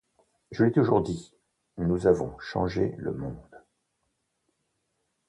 Je l'ai toujours dit, nous avons changé le monde.